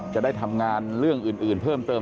จะได้ทำงานเรื่องอื่นเพิ่มเติม